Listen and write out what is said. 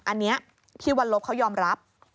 อันนี้ที่วันลบเขายอมรับ